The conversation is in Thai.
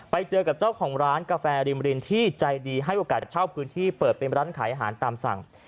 ไปเจอกับเจ้าของร้านกาแฟริมรินที่ใจดีให้โอกาสจะเช่าพื้นที่เปิดเป็นร้านขายอาหารตามสั่ง